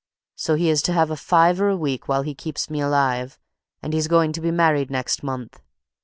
So he is to have a fiver a week while he keeps me alive, and he's going to be married next month.